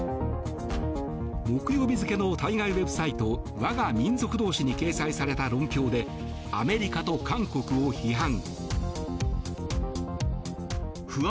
木曜日付の対外ウェブサイトわが民族同士に掲載された論評でアメリカと韓国を批判。